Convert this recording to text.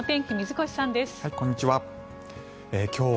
こんにちは。